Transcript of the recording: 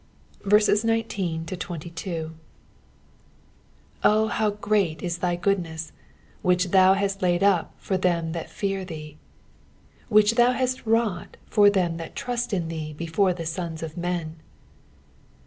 19 Oh how great is thy goodness, which thou hast laid up for them that fear thee ; ivkuh thou hast wrought for them that trust in thee before the sons of men